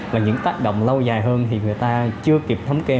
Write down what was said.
và những tác động lâu dài hơn thì người ta chưa kịp thống kê